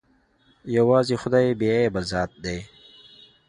يوازې خداى بې عيبه ذات ديه.